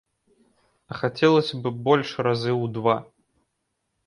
А хацелася б больш разы ў два.